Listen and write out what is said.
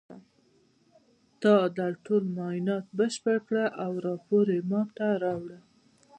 تا دا ټول معاینات بشپړ کړه او راپور یې ما ته راوړه